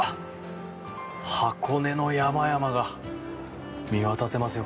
箱根の山々が見渡せますよ